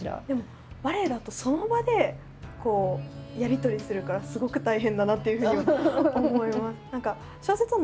でもバレエだとその場でやり取りするからすごく大変だなっていうふうには思います。